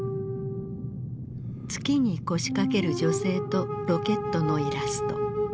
月に腰掛ける女性とロケットのイラスト。